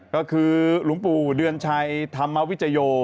ก็คือหลวงปู่เดือนชัยธรรมวิจโย